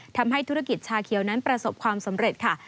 ทำให้ธุรกิจชาเขียวนั้นประสบความสำเร็จค่ะ